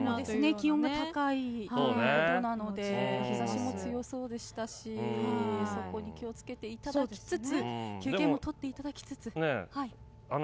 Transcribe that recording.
気温が高いということなので日差しも強そうでしたしそこに気を付けていただきつつ休憩もとっていただきつつ。